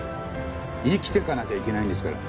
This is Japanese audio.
生きていかなきゃいけないんですから！